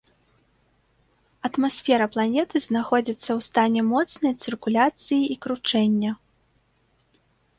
Атмасфера планеты знаходзіцца ў стане моцнай цыркуляцыі і кручэння.